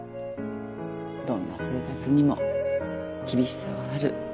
どんな生活にも厳しさはある。